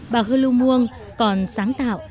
bà hư lưu muông còn sáng tạo